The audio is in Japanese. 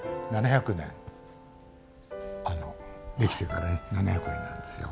７００年出来てから７００年なんですよ。